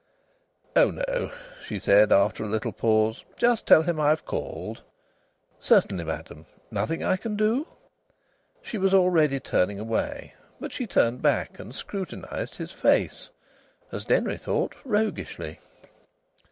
"Oh, no," she said, after a little pause; "just tell him I've called." "Certainly, madam. Nothing I can do?" She was already turning away, but she turned back and scrutinised his face, as Denry thought, roguishly.